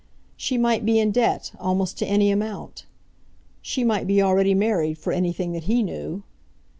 She might be in debt, almost to any amount. She might be already married, for anything that he knew.